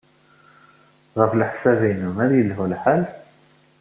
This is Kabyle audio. Ɣef leḥsab-nnem, ad yelhu lḥal?